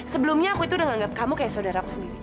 sebelumnya aku itu udah nganggap kamu kayak saudara aku sendiri